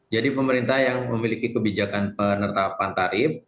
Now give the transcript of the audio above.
jadi pemerintah yang memiliki kebijakan penetapan tarif